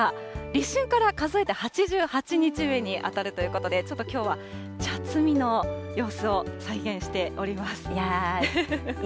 立春から数えて８８日目に当たるということで、ちょっときょうは茶摘みの様子を再現しております。